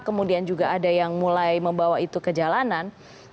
kemudian juga ada yang mulai membawa itu ke jalanan